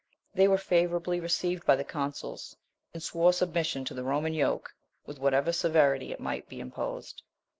They were favourably received by the consuls, and swore submission to the Roman yoke, with whatever severity it might be imposed.